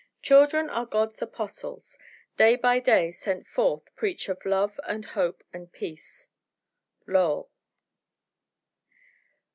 "Children are God's apostles, day by day sent forth preach of love and hope and peace." Lowell.